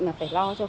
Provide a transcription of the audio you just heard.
là phải lo cho